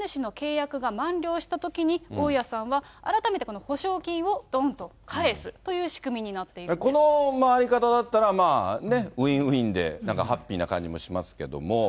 そしてこの借り主の契約が満了したときに、大家さんは改めてこの保証金をどんと返すという仕組みになっていこの回り方だったらまあ、ね、ウィンウィンでなんかハッピーな感じもしますけど。